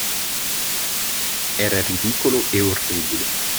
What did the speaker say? Era ridicolo e orribile.